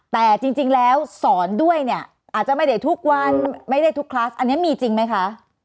แต่จริงแล้วสอนด้วยเนี่ยอาจจะไม่ได้ทุกวันไม่ได้ทุกคลัสอันนี้มีจริงไหมคะ